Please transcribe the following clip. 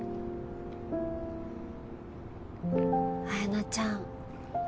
彩菜ちゃん。